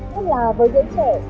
nhất là với giới trẻ